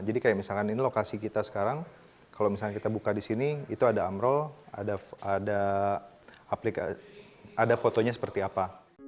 jadi kayak misalnya ini lokasi kita sekarang kalau misalnya kita buka di sini itu ada amrol ada fotonya seperti apa